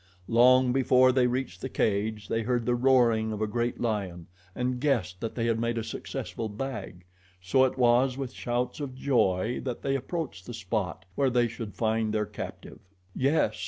Long before they reached the cage, they heard the roaring of a great lion and guessed that they had made a successful bag, so it was with shouts of joy that they approached the spot where they should find their captive. Yes!